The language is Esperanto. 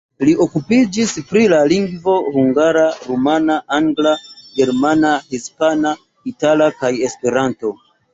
Li okupiĝis pri la lingvoj hungara, rumana, angla, germana, hispana, itala kaj Esperanto.